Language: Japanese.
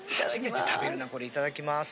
いただきます。